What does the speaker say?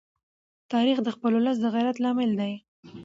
تاریخ د خپل ولس د غیرت لامل دی.